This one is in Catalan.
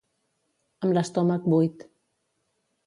Amb l'estómac buit.